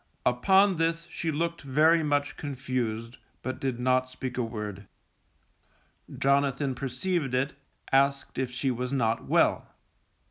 Upon this she looked very much confused, but did not speak a word. Jonathan perceived it, asked if she was not well.